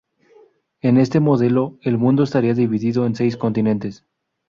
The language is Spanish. En este modelo, el mundo estaría dividido en seis continentes.